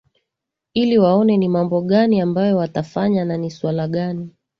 ili waone ni mambo gani ambayo watafanya na ni swala gani